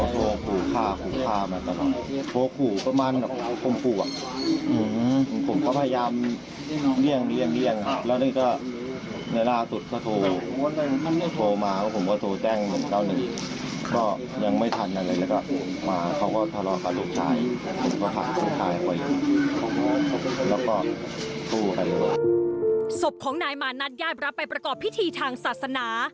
ศพของนายมานัทญาติรับไปประกอบพิธีทางศาสนา